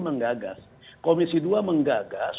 menggagas komisi dua menggagas